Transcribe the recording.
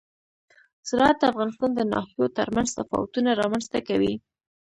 زراعت د افغانستان د ناحیو ترمنځ تفاوتونه رامنځ ته کوي.